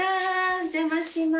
お邪魔します。